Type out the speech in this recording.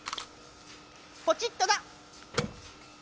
ポチッとな。